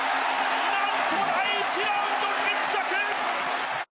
なんと第１ラウンド決着！